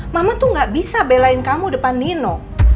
mama tuh gak bisa belain kamu depan nino